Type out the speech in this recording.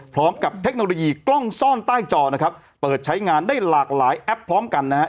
เทคโนโลยีกล้องซ่อนใต้จอนะครับเปิดใช้งานได้หลากหลายแอปพร้อมกันนะฮะ